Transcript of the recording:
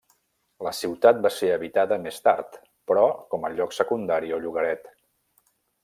La ciutat va ser habitada més tard però com a lloc secundari o llogaret.